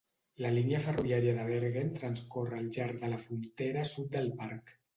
La línia ferroviària de Bergen transcorre al llarg de la frontera sud del parc.